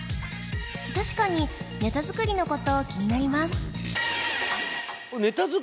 確かにネタ作りの事気になります